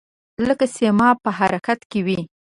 لکه سیماب په حرکت کې وي.